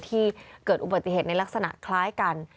ที่เกิดอุบัติเหตุในลักษณะคล้ายกัน